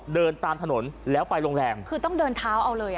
เดินตามถนนแล้วไปโรงแรมคือต้องเดินเท้าเอาเลยอ่ะ